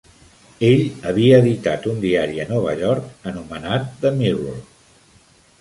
Ell havia editat un diari a Nova York anomenat "The Mirror".